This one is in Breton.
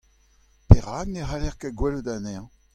Perak ne cʼhaller ket gwelet anezhañ ?